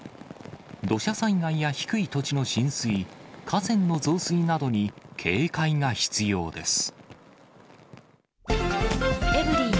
土砂災害や低い土地の浸水、河川の増水などに警戒が必要です。